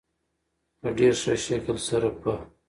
په ډېر ښه شکل سره په